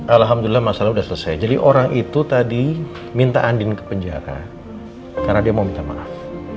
alhamdulillah masalah sudah selesai jadi orang itu tadi minta andin ke penjara karena dia mau minta maaf